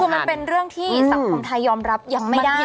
คือมันเป็นเรื่องที่สังคมไทยยอมรับยังไม่ได้